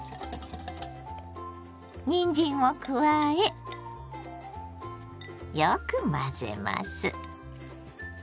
にんじんを加えよく混ぜます。